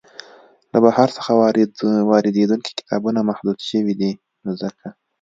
له بهر څخه واریدیدونکي کتابونه محدود شوي دی نو ځکه.